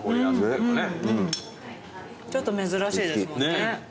ちょっと珍しいですもんね。